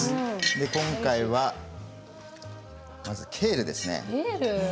今回は、まずケールです。